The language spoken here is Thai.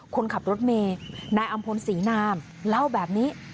คนขับรถเมย์นายอำพลศรีนามเล่าแบบนี้